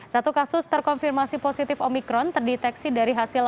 satu kasus terkonfirmasi positif omikron terdeteksi dari hasil